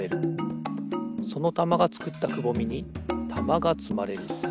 そのたまがつくったくぼみにたまがつまれる。